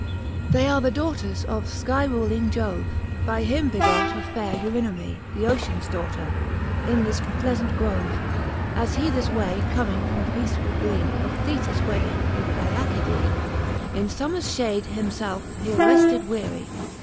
XXII. They are the daughters of Iky ruling Jove^ By him begot of faire Eurynofne^ The Oceans daughter, in this pleafant grove,f .^,^y^ As he this way comming from feaftfuU glee. Of 7^^//V wedding \v\x}a. Aecidee^ In fommers ihade him felfe here refled weary.